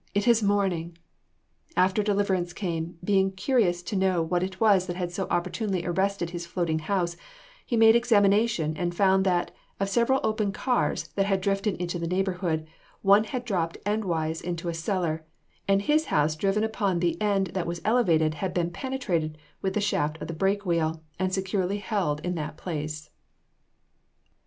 it is morning!" After deliverance came, being curious to know what it was that had so opportunely arrested his floating house, he made examination, and found that, of several open cars that had drifted into the neighborhood, one had dropped endwise into a cellar, and his house driven upon the end that was elevated had been penetrated with the shaft of the brake wheel, and securely held in that place.